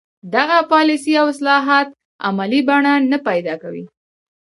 دغه پالیسۍ او اصلاحات عملي بڼه نه پیدا کوي.